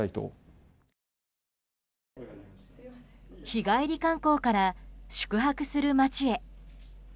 日帰り観光から宿泊する街へ。